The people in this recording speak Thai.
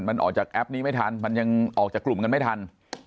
มันออกจากแอปนี้ไม่ทันมันยังออกจากกลุ่มกันไม่ทัน